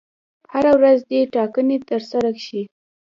هره ورځ دي ټاکنې ترسره شي.